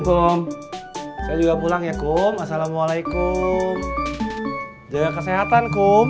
belum saya juga pulang ya kum assalamualaikum jaga kesehatan kum